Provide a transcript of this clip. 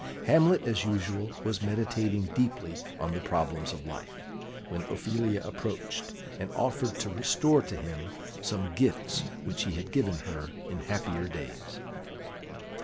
Hamlet, as usual, was meditating deeply on the problems of life, when Ophelia approached, and offered to restore to him some gifts which he had given her in happier days.